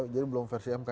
jadi belum versi mku